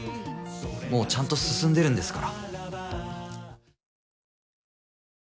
もうちゃんと進んでるんですから。